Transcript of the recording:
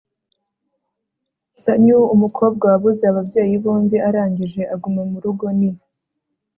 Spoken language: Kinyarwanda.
sanyu, umukobwa wabuze ababyeyi bombi arangije aguma murugo, ni